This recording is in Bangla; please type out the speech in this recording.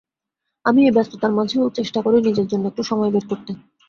তাই আমি ব্যস্ততার মাঝেও চেষ্টা করি নিজের জন্য একটু সময় বের করতে।